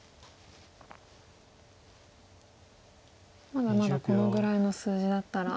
まだまだこのぐらいの数字だったら。